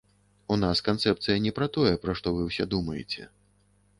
У нас канцэпцыя не пра тое, пра што вы ўсе думаеце.